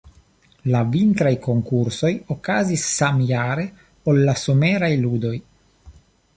La vintraj konkursoj okazis samjare ol la someraj ludoj.